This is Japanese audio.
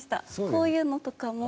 こういうのとかも。